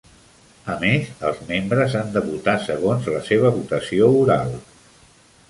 A més, els membres han de votar segons la seva votació oral.